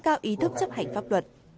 có ý thức chấp hành pháp luật